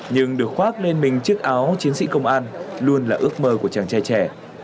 nhưng được khoác lên mình chiếc áo chiến sĩ công an luôn là ước mơ của chàng trai trẻ